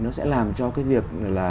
nó sẽ làm cho cái việc